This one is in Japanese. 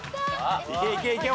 いけいけいけほら。